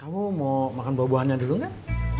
kamu mau makan buah buahannya dulu kan